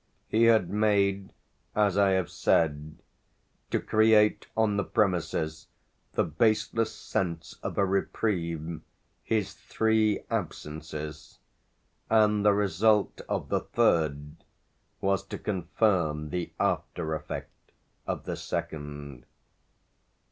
He had made, as I have said, to create on the premises the baseless sense of a reprieve, his three absences; and the result of the third was to confirm the after effect of the second.